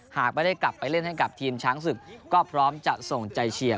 หากไม่ได้กลับไปเล่นให้กับทีมช้างศึกก็พร้อมจะส่งใจเชียร์